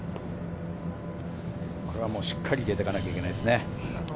これはしっかり入れていかないといけないですね。